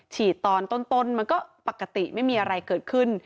ตอนต้นมันก็ปกติไม่มีอะไรเกิดขึ้น